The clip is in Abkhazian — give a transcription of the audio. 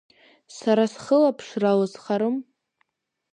Сара схылаԥшра лызхарым…